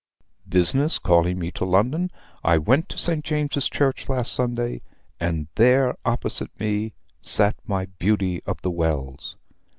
"Business calling me to London, I went to St. James's Church last Sunday, and there opposite me sat my beauty of the Wells.